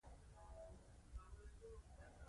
زمونږ جوماتونه زمونږ د ټولنې د وحدت او تصاميمو مرکزونه دي